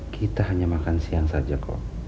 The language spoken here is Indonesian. kita hanya makan siang saja kok